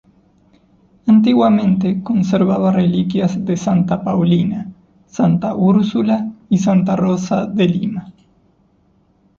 Antiguamente conservaba reliquias de Santa Paulina, Santa Úrsula y Santa Rosa de Lima.